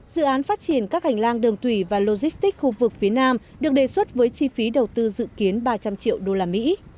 dự án phát triển các hành lang đường thủy và logistics khu vực phía nam được đề xuất với chi phí đầu tư dự kiến ba trăm linh triệu đô la mỹ